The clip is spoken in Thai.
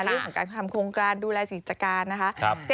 เรื่องของการทำโครงการดูแลกิจการนะคะ